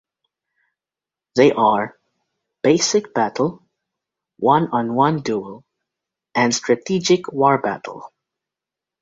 They are: 'Basic Battle', 'One-on-one Duel' and 'Strategic War Battle'.